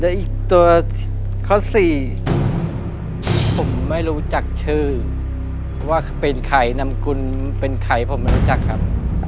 อีกตัวข้อสี่ผมไม่รู้จักชื่อว่าเป็นใครนำกุลเป็นใครผมไม่รู้จักครับ